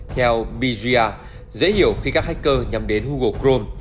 theo bga dễ hiểu khi các hacker nhằm đến google chrome